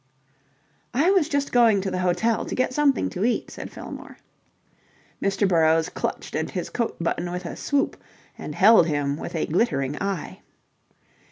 "I was just going to the hotel to get something to eat," said Fillmore. Mr. Burrowes clutched at his coat button with a swoop, and held him with a glittering eye.